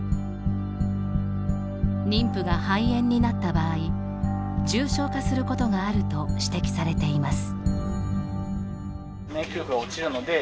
妊婦が肺炎になった場合重症化することがあると指摘されています。